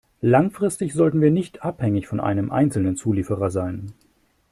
Langfristig sollten wir nicht abhängig von einem einzelnen Zulieferer sein.